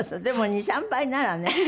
でも２３杯ならね。